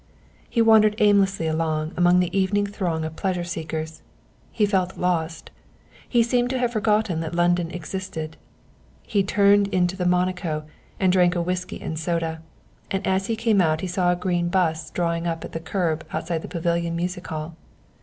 He wandered aimlessly along among the evening throng of pleasure seekers. He felt lost, he seemed to have forgotten that London existed. He turned into the Monico and drank a whisky and soda, and as he came out he saw a green 'bus drawing up at the curb outside the Pavilion music hall.